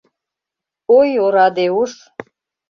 Ой, ораде уш...